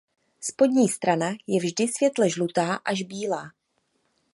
Spodní strana je vždy světle žlutá až bílá.